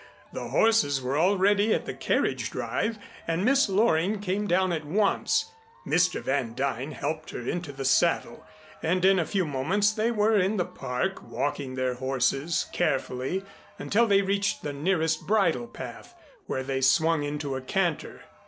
The horses were already at the carriage drive and Miss Loring came down at once. Mr. Van Duyn helped her into the saddle, and in a few moments they were in the Park walking their horses carefully until they reached the nearest bridle path, when they swung into a canter.